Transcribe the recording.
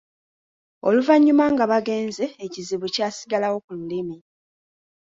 Oluvannyuma nga bagenze ekizibu kyasigalawo ku lulimi.